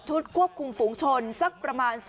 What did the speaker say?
ชุดควบคุมฝุงชนสักประมาณ๒นาที